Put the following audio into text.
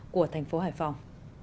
của thành phố hải phòng